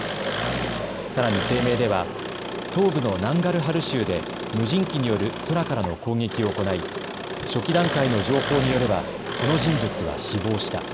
さらに声明では東部のナンガルハル州で無人機による空からの攻撃を行い初期段階の情報によればこの人物は死亡した。